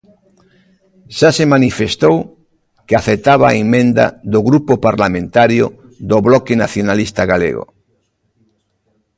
Xa se manifestou que aceptaba a emenda do Grupo Parlamentario do Bloque Nacionalista Galego.